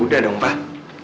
udah dong pak